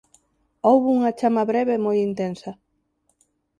Houbo unha chama breve e moi intensa.